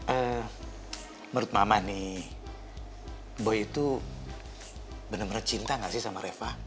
eh menurut mama nih boy itu benar benar cinta gak sih sama reva